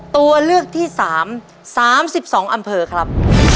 ตัวเลือกที่สามสามสิบสองอำเภอครับ